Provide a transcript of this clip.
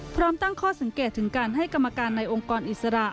พร้อมตั้งข้อสังเกตถึงการให้กรรมการในองค์กรอิสระ